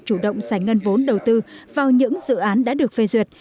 chủ động giải ngân vốn đầu tư vào những dự án đã được phê duyệt